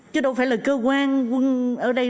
chứ đâu phải là cơ quan quân ở đây